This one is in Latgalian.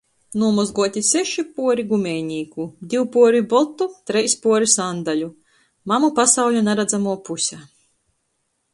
Nūmozguoti seši puori gumejnīku, div puori botu, treis puori sandaļu. Mamu pasauļa naradzamuo puse.